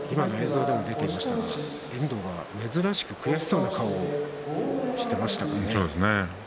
遠藤が珍しく悔しそうな顔をしていましたね。